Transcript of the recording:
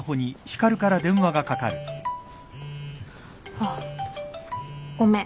あっごめん。